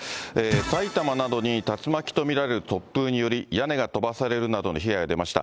埼玉などに竜巻と見られる突風により、屋根が飛ばされるなどの被害が出ました。